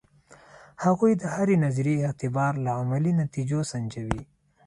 هغوی د هرې نظریې اعتبار له عملي نتیجو سنجوي.